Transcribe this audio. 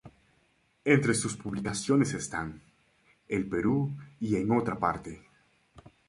Entre sus publicaciones están: "El Perú" y "En Otra Parte".